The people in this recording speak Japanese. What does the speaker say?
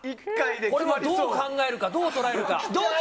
これでどう考えるかどう捉えるか。